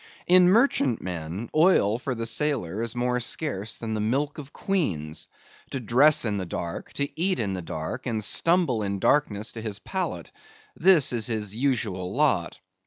In merchantmen, oil for the sailor is more scarce than the milk of queens. To dress in the dark, and eat in the dark, and stumble in darkness to his pallet, this is his usual lot.